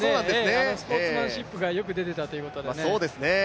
スポーツマンシップがよく出ていたということでね。